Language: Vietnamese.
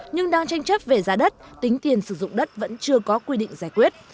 nhưng đang tranh chấp về giá đất tính tiền sử dụng đất vẫn chưa có quy định giải quyết